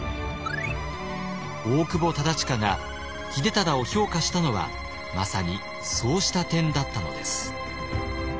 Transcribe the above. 大久保忠隣が秀忠を評価したのはまさにそうした点だったのです。